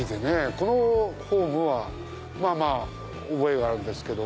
このホームはまぁまぁ覚えがあるんですけど。